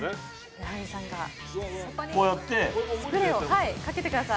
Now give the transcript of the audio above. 矢作さんがそこにスプレーをかけてください。